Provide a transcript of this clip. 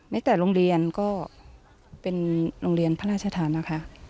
แต่โรงเรียนก็เป็นโรงเรียนพระราชทานนะคะ